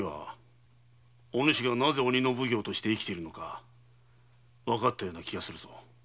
お主がなぜ鬼の奉行として生きているかわかったような気がする。